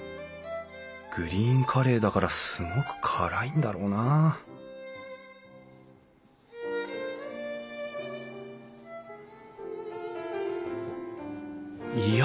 グリーンカレーだからすごく辛いんだろうないや！